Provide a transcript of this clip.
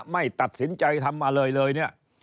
ไม่ตัดสินใจทำอะไรเลย